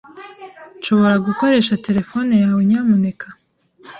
Nshobora gukoresha terefone yawe, nyamuneka?